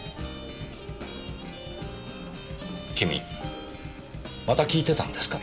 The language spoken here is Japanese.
君また聞いてたんですか？